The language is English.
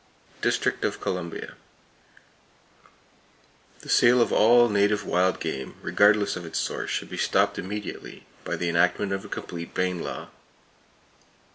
District Of Columbia: The sale of all native wild game, regardless of its source, should be stopped immediately, by the enactment of a complete Bayne law.